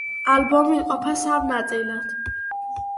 ალბომი იყოფა სამ ნაწილად.